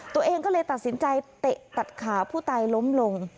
ตัวเองก็เลยตัดสินใจเตะตัดขาผู้ตายล้มลง